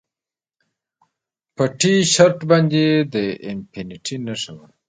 په ټي شرټ باندې د انفینټي نښه وه